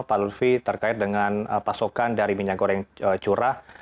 pak lutfi terkait dengan pasokan dari minyak goreng curah